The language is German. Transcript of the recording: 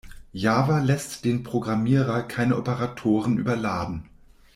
Java lässt den Programmierer keine Operatoren überladen.